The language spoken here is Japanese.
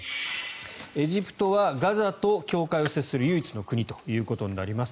エジプトはガザと境界を接する唯一の国ということになります。